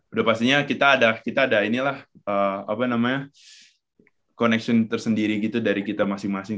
udah pastinya kita ada inilah apa namanya connection tersendiri gitu dari kita masing masing